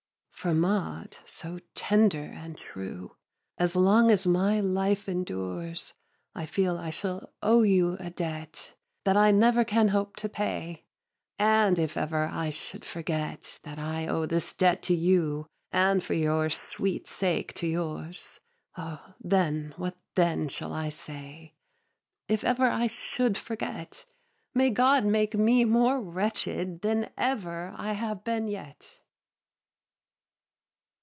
9. For, Maud, so tender and true. As long as my life endures I feel I shall owe you a debt, That I never can hope to pay; And if ever I should forget That I owe this debt to you And for your sweet sake to yours; O then, what then shall I say? If ever I should forget. May God make me more wretched Than ever I have been yet!